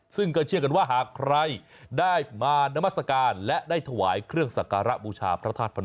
ซึ่งก็เชื่อกันว่าหากใครได้มานามัศกาลและได้ถวายเครื่องสักการะบูชาพระธาตุพนม